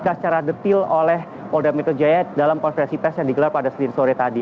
kita secara detail oleh polda metro jaya dalam konfirmasi tes yang digelar pada setiap sore tadi